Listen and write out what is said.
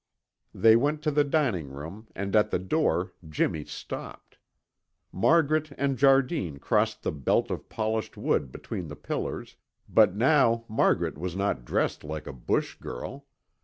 They went to the dining room and at the door Jimmy stopped. Margaret and Jardine crossed the belt of polished wood between the pillars, but now Margaret was not dressed like a bush girl.